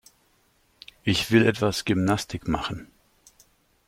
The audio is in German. Ich will etwas Gymnastik machen.